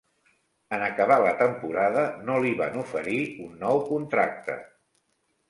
En acabar la temporada no li van oferir un nou contracte.